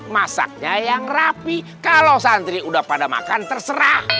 masaknya yang rapi kalau santri udah pada makan terserah